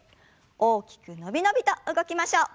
大きくのびのびと動きましょう。